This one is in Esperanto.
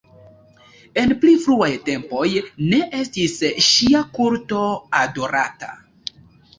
En pli fruaj tempoj ne estis ŝia kulto adorata.